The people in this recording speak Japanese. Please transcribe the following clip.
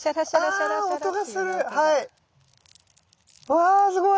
わすごい。